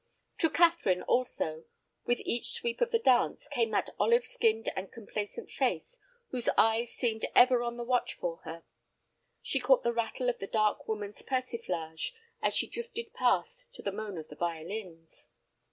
To Catherine also, with each sweep of the dance, came that olive skinned and complacent face, whose eyes seemed ever on the watch for her. She caught the rattle of the dark woman's persiflage as she drifted past to the moan of the violins.